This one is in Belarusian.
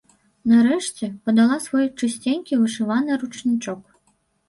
Нарэшце, падала свой чысценькі вышываны ручнічок.